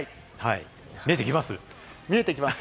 見えてきます。